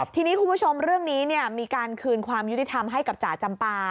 ทีนี้คุณผู้ชมเรื่องนี้มีการคืนความยุติธรรมให้กับจ่าจำปา